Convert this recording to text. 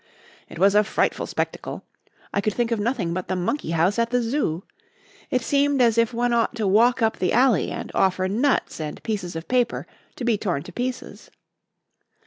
It was a frightful spectacle. I could think of nothing but the monkey house at the Zoo. It seemed as if one ought to walk up the alley and offer nuts and pieces of paper to be torn to pieces."